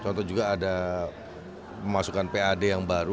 contoh juga ada memasukkan pad yang baru